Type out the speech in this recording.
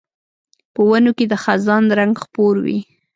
په ونو کې د خزان رنګ خپور وي